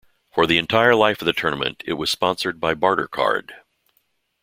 For the entire life of the tournament it was sponsored by Bartercard.